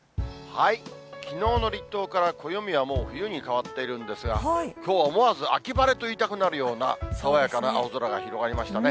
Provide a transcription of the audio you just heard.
きのうの立冬から暦はもう冬に変わっているんですが、きょうは思わず秋晴れと言いたくなるような爽やかな青空が広がりましたね。